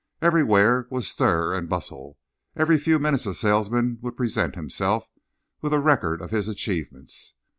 Everywhere was stir and bustle. Every few minutes a salesman would present himself, with a record of his achievements.